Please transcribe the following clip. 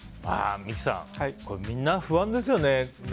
三木さん、みんな不安ですよね。